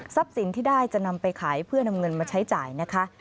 สินที่ได้จะนำไปขายเพื่อนำเงินมาใช้จ่ายนะคะ